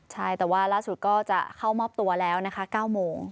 ใช่แต่ว่าล่าสุดก็จะเข้ามอบตัวแล้วนะคะ๙โมง